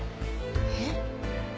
えっ？